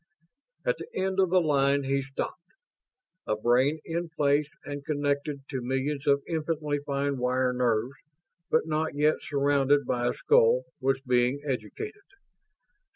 At the end of the line he stopped. A brain, in place and connected to millions of infinitely fine wire nerves, but not yet surrounded by a skull, was being educated.